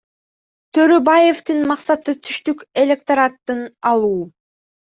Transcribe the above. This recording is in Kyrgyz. Төрөбаевдин максаты түштүк электоратын алуу.